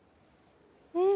うん！